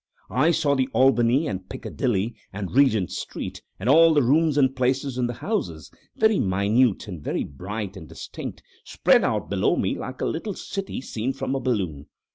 I saw the Albany and Piccadilly and Regent Street and all the rooms and places in the houses, very minute and very bright and distinct, spread out below me like a little city seen from a balloon.